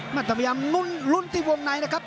พยายามรุ่นที่วงในนะครับ